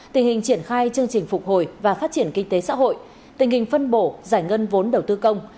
tình hình triển khai chương trình phục hồi và phát triển kinh tế xã hội tình hình phân bổ giải ngân vốn đầu tư công